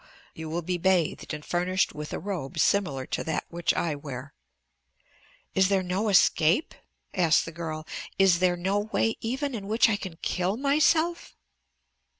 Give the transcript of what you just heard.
"You will be bathed and furnished with a robe similar to that which I wear." "Is there no escape?" asked the girl. "Is there no way even in which I can kill myself?"